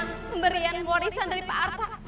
pemberian warisan dari pak arto